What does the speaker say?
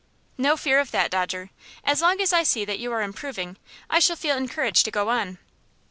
"No fear of that, Dodger. As long as I see that you are improving, I shall feel encouraged to go on."